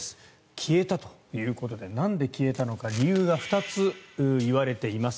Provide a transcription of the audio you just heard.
消えたということでなんで消えたのか理由が２ついわれています。